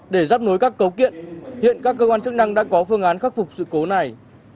để dắt nối các cấu kiện hiện các cơ quan chức năng đã có phương án khắc phục sự cố này